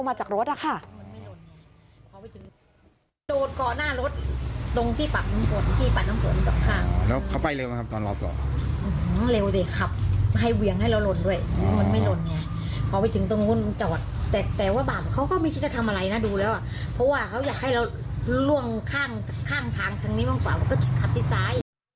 มันไม่หล่นเนี่ยพอไปถึงตรงนู้นจัดแต่ว่าบ้านเขาก็ไม่คิดจะทำอะไรนะดูแล้วเพราะว่าเขาอยากให้เราล่วงข้างทางทางนี้บ้างกว่าก็ขับที่ซ้าย